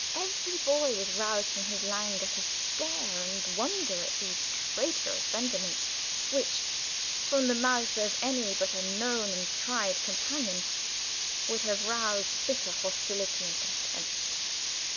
Every boy was roused from his languor to stare and wonder at these traitorous sentiments, which, from the mouth of any but a known and tried companion, would have roused bitter hostility and contempt.